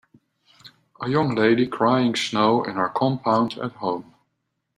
A young lady crying snow in her compound at home.